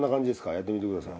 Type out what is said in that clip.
やってみてください。